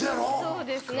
そうですね。